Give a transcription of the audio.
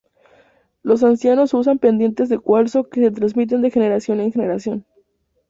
Los ancianos usan pendientes de cuarzo que se transmiten de generación en generación.